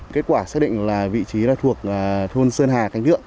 kết quả xác định là vị trí thuộc thôn sơn hà khánh thượng